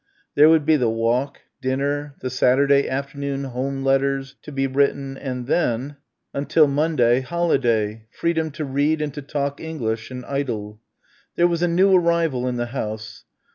There would be the walk, dinner, the Saturday afternoon home letters to be written and then, until Monday, holiday, freedom to read and to talk English and idle. And there was a new arrival in the house.